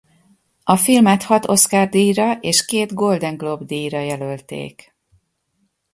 A filmet hat Oscar-díjra és két Golden Globe-díjra jelölték.